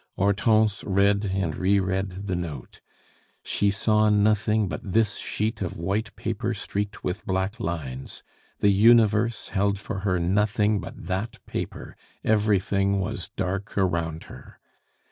Hortense read and re read the note; she saw nothing but this sheet of white paper streaked with black lines; the universe held for her nothing but that paper; everything was dark around her.